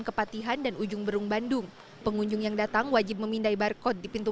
kepatihan dan ujung berung bandung pengunjung yang datang wajib memindai barcode di pintu